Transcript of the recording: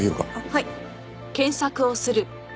はい。